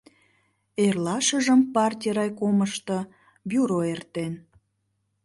Эрлашыжым партий райкомышто бюро эртен.